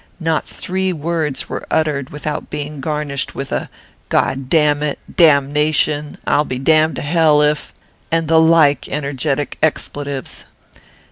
Not three words were uttered without being garnished with a "God damn it!" "damnation!" "I'll be damned to hell if" and the like energetic expletives.)